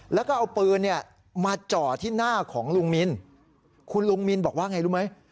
แล้วก็เอาปืนเนี่ยมาจ่อที่หน้าของลุงมินคุณลุงมินบอกว่าไงรู้ไหม